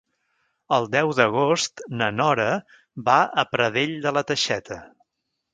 El deu d'agost na Nora va a Pradell de la Teixeta.